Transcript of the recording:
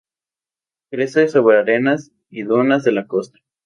Crece sobre arenas y dunas de la costa.